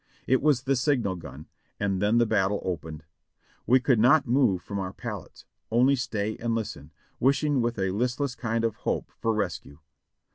It was the signal gun, and then the battle opened. We could not move from our pallets, only stay and listen, wishing with a listless kind of hope for rescue.